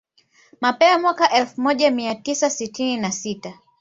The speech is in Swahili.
Mapema mwaka elfu moja mia tisa sitini na sita